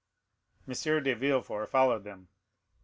de Villefort followed them.